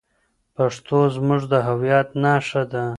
پښتو زموږ د هویت نښه ده.